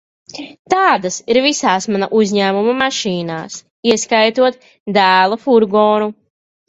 Tādas ir visās mana uzņēmuma mašīnās, ieskaitot dēla furgonu.